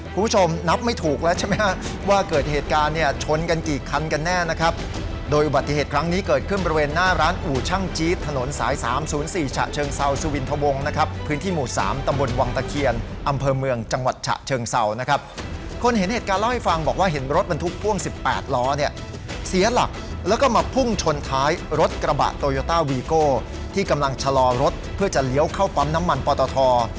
คุณผู้ชมนับไม่ถูกแล้วใช่ไหมฮะว่าเกิดเหตุการณ์เนี่ยชนกันกี่ครั้งกันแน่นะครับโดยอุบัติเหตุครั้งนี้เกิดขึ้นบริเวณหน้าร้านอู่ช่างจี๊ดถนนสาย๓๐๔ฉะเชิงซาวสุวินทะวงนะครับพื้นที่หมู่๓ตำบลวังตะเคียนอำเภอเมืองจังหวัดฉะเชิงซาวนะครับคนเห็นเหตุการณ์เล่าให้ฟังบอกว่าเห็นรถบร